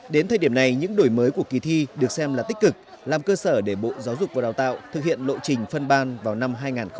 đến thời điểm này những đổi mới của kỳ thi được xem là tích cực làm cơ sở để bộ giáo dục và đào tạo thực hiện lộ trình phân ban vào năm hai nghìn hai mươi